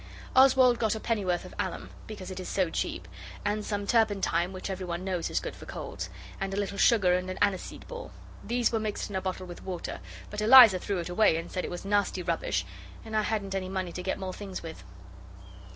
Oswald got a pennyworth of alum, because it is so cheap, and some turpentine which every one knows is good for colds, and a little sugar and an aniseed ball. These were mixed in a bottle with water, but Eliza threw it away and said it was nasty rubbish, and I hadn't any money to get more things with.